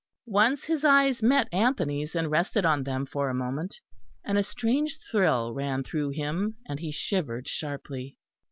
Once his eyes met Anthony's and rested on them for a moment; and a strange thrill ran through him and he shivered sharply.